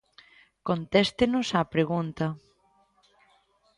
Contéstenos á pregunta.